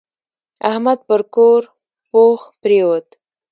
احمد پر کور پوخ پرېوت.